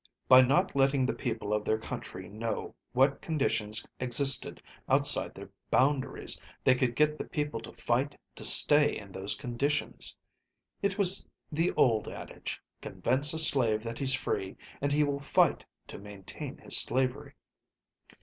By not letting the people of their country know what conditions existed outside their boundaries, they could get the people to fight to stay in those conditions. It was the old adage, convince a slave that he's free, and he will fight to maintain his slavery.